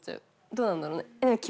どうなんだろうね。